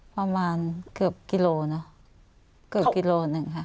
ประมาณเกือบกิโลเนอะเกือบกิโลหนึ่งค่ะ